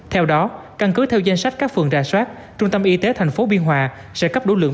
theo đó căn cứ theo danh sách các phường ra soát trung tâm y tế thành phố biên hòa sẽ cấp đủ lượng